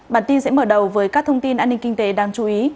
bản tin sẽ mở đầu với các thông tin an ninh kinh tế đáng chú ý